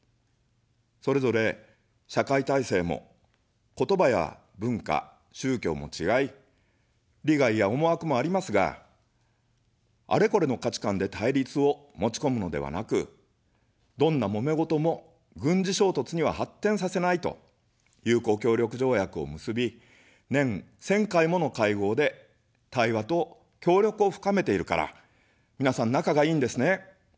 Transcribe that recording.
それぞれ社会体制も、言葉や文化、宗教も違い、利害や思惑もありますが、あれこれの価値観で対立を持ちこむのではなく、どんなもめごとも軍事衝突には発展させないと友好協力条約を結び、年１０００回もの会合で対話と協力を深めているから、みなさん仲がいいんですね。